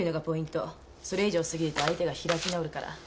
それ以上過ぎると相手が開き直るから。